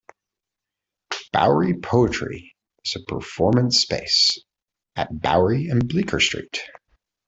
Bowery Poetry is a performance space at Bowery and Bleecker Street.